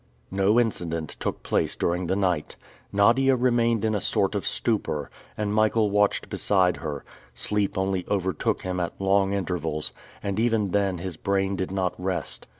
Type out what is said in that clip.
No incident took place during the night. Nadia remained in a sort of stupor, and Michael watched beside her; sleep only overtook him at long intervals, and even then his brain did not rest.